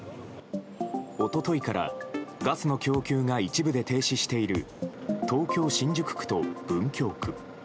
一昨日からガスの供給が一部で停止している東京・新宿区と文京区。